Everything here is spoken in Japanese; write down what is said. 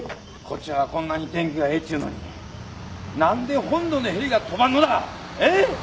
こっちはこんなに天気がええっちゅうのになんで本土のヘリが飛ばんのだえ？